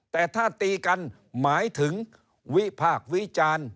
แต่ถ้าตีกันหมายถึงวิพากษ์วิจารณ์